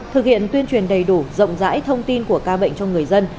thực hiện tuyên truyền đầy đủ rộng rãi thông tin của ca bệnh cho người dân